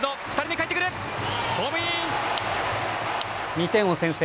２点を先制。